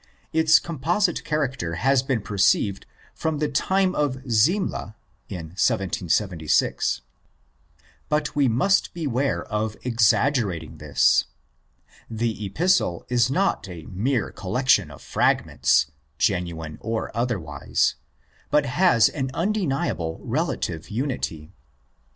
Its composite character has been perceived from the time of Semler (1776), but we must beware of exaggerating this. The Epistle is not a mere collection of fragments—genuine or otherwise—but has an undeniable relative unity.